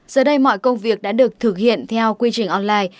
giờ đây mọi công việc đã được thực hiện theo quy trình online